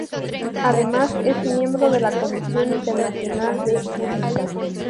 Además es miembro de la Comisión Internacional de Juristas.